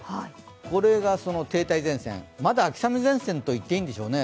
これがその停滞前線、まだ秋雨前線と言っていいんでしょうね。